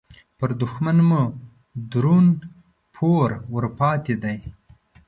پر دوښمن مو درون پور ورپاتې دې